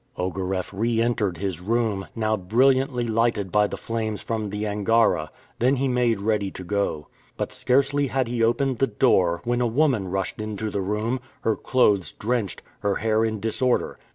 Ogareff re entered his room, now brilliantly lighted by the flames from the Angara; then he made ready to go out. But scarcely had he opened the door, when a woman rushed into the room, her clothes drenched, her hair in disorder.